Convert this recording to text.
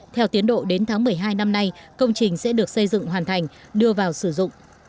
theo tiến độ đến tháng một mươi hai năm nay công trình sẽ được xây dựng hoàn thành đưa vào sử dụng